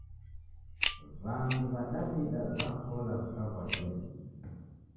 Wandu w'a dawida w'akola wikaw'uadia dini